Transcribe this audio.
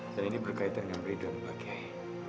dan ini berkaitan dengan ridwan pak kiai